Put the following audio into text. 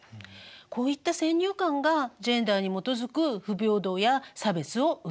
こういった先入観がジェンダーに基づく不平等や差別を生んでしまいます。